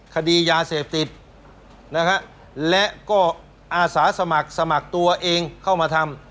คดียาเสพติดนะฮะและก็อาสาสมัครสมัครตัวเองเข้ามาทำ